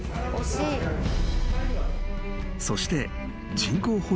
［そして］